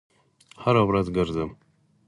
هره ورځ ګرځم